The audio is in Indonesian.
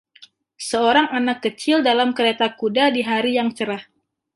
Seorang anak kecil dalam kereta kuda di hari yang cerah.